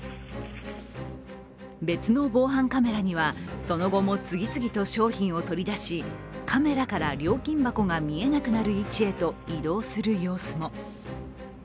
別の防犯カメラには、その後も次々と商品を取り出しカメラから料金箱が見えなくなる位置へと移動する様子も。